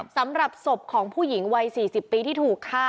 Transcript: สำหรับศพของผู้หญิงวัย๔๐ปีที่ถูกฆ่า